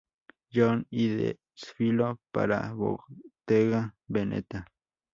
John y desfiló para Bottega Veneta.